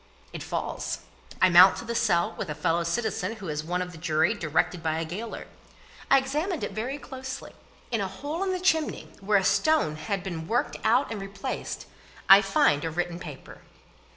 It falls. I mount to the cell, with a fellow citizen who is one of the Jury, directed by a gaoler. I examine it, very closely. In a hole in the chimney, where a stone has been worked out and replaced, I find a written paper.